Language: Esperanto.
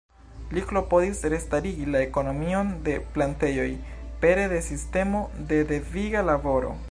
Li klopodis restarigi la ekonomion de la plantejoj pere de sistemo de deviga laboro.